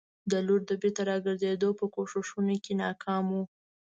د لور د بېرته راګرزېدو په کوښښونو کې ناکامه وو.